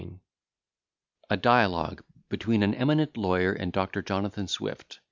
_] A DIALOGUE BETWEEN AN EMINENT LAWYER AND DR. JONATHAN SWIFT, D.